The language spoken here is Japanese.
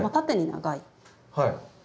はい。